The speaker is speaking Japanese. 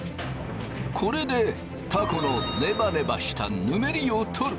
これでたこのネバネバしたぬめりを取る。